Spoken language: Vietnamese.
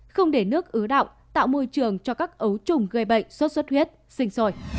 không để nước ứa đọng tạo môi trường cho các ấu trùng gây bệnh sốt xuất huyết sinh sôi